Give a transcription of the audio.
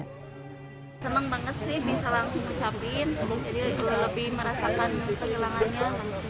senang banget sih bisa langsung ucapin jadi lebih merasakan kehilangannya